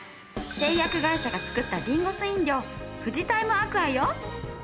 製薬会社が作ったリンゴ酢飲料フジタイムＡＱＵＡよ。